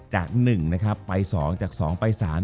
จบการโรงแรมจบการโรงแรม